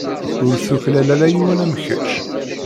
Ur tuklal ara yiwen am kečč.